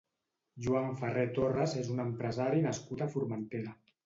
Joan Ferrer Torres és un empresari nascut a Formentera.